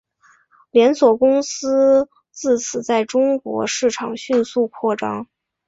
连锁公司自此在中国市场迅速扩张。